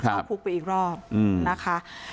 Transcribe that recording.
เข้าคุกไปอีกรอบนะคะ